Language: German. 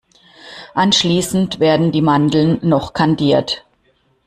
Anschließend werden die Mandeln noch kandiert.